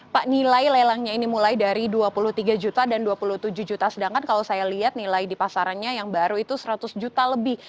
pak nilai lelangnya ini mulai dari dua puluh tiga juta dan dua puluh tujuh juta sedangkan kalau saya lihat nilai di pasarannya yang baru itu seratus juta lebih